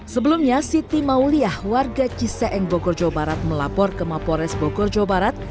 sebelumnya siti mauliah warga ciseeng bogor jawa barat melapor ke mapores bogor jawa barat